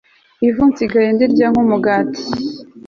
ivu nsigaye ndirya nk'umugati